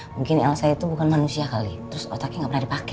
mungkin elsa itu bukan manusia kali terus otaknya gak pernah dipake